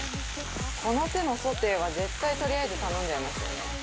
この手のソテーは絶対とりあえず頼んじゃいますよね。